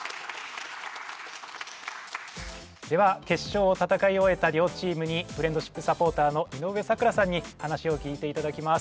では決勝をたたかい終えた両チームにフレンドシップサポーターの井上咲楽さんに話を聞いていただきます。